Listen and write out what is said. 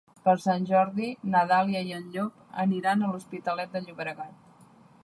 Per Sant Jordi na Dàlia i en Llop aniran a l'Hospitalet de Llobregat.